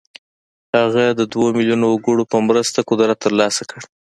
هغه د دوه ميليونه وګړو په مرسته قدرت ترلاسه کړ.